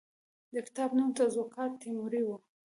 د کتاب نوم تزوکات تیموري وو.